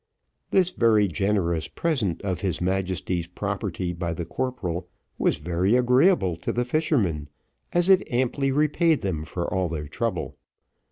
This very generous present of his Majesty's property by the corporal, was very agreeable to the fishermen, as it amply repaid them for all their trouble.